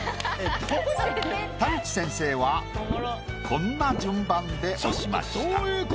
田口先生はこんな順番で押しました。